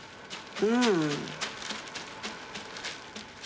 うん。